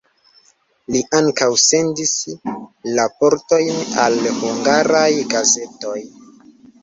Li ankaŭ sendis raportojn al hungaraj gazetoj.